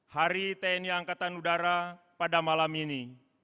hari tni angkatan udara pada malam ini